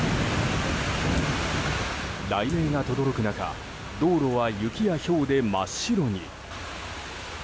雷鳴がとどろく中道路は雪やひょうで真っ白に。